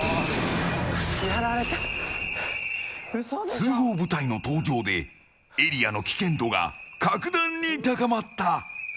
通報部隊の登場でエリアの危険度が格段に高まった。